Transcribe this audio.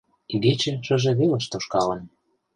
Игече шыже велыш тошкалын.